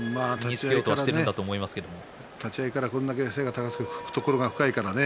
立ち合いから、これだけ背が高くて懐が深いからね